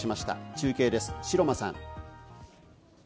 中継です、城間さん。